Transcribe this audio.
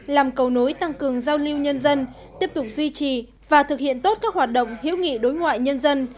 làm cầu nối tăng cường giao lưu nhân dân tiếp tục duy trì và thực hiện tốt các hoạt động hiếu nghị đối ngoại nhân dân